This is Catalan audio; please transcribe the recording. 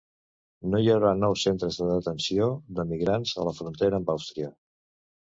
No hi haurà nous centres de detenció de migrants a la frontera amb Àustria